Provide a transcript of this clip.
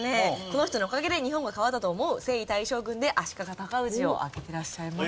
この人のおかげで日本が変わったと思う征夷大将軍で足利尊氏を挙げてらっしゃいます。